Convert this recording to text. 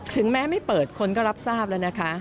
ถึงแม้ไม่เปิดคนก็รับทราบแล้วนะคะ